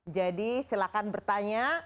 jadi silakan bertanya